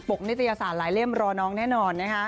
นิตยสารหลายเล่มรอน้องแน่นอนนะคะ